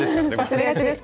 忘れがちですから。